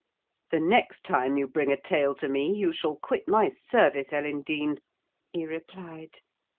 "The next time you bring a tale to me you shall quit my service, Ellen Dean," he replied.